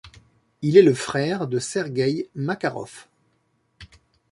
Il est le frère de Sergueï Makarov.